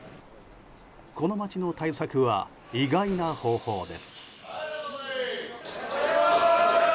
この町の対策は意外な方法です。